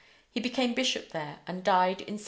He became bishop there, and died in 781.